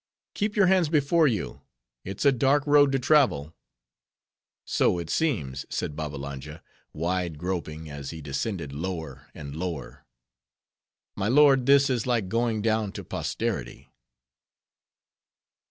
"Keep your hands before you; it's a dark road to travel." "So it seems," said Babbalanja, wide groping, as he descended lower and lower. "My lord this is like going down to posterity."